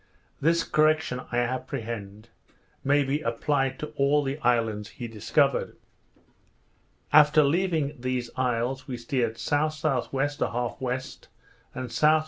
This correction, I apprehend, may be applied to all the islands he discovered. After leaving these isles, we steered S.S.W. 1/2 W., and S.W.